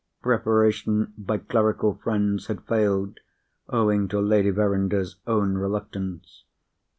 Preparation by clerical friends had failed, owing to Lady Verinder's own reluctance.